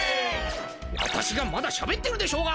私がまだしゃべってるでしょうが！